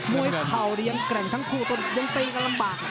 ม้วยค่าวแต่ยังแกร่งทั้งคู่ยังตีกันลำบาก